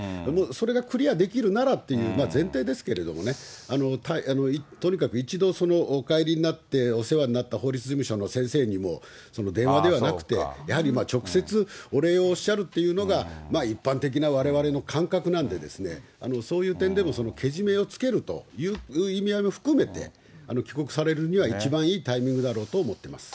それがクリアできるならという前提ですけれどもね、とにかく一度、お帰りになって、お世話になった法律事務所の先生にも電話ではなくて、やはり直接お礼をおっしゃるというのが、一般的なわれわれの感覚なんで、そういう点でもけじめをつけると意味合いも含めて、帰国されるには一番いいタイミングだろうと思ってます。